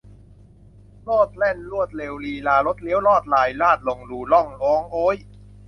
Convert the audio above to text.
โลดแล่นรวดเร็วลีลาลดเลี้ยวลอดลายลาดลงรูร่องร้องโอ๊ย